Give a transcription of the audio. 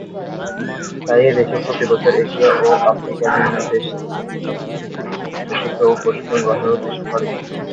তাই এদেশে প্রতি বছর এশিয়া ও আফ্রিকার বিভিন্ন দেশ থেকে প্রচুর শিক্ষার্থী উচ্চশিক্ষা ও প্রশিক্ষণ গ্রহণের উদ্দেশ্যে পাড়ি জমায়।